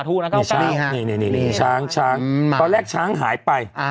ตอนแรกช้างหายไป